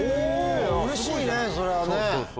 うれしいねそれはね。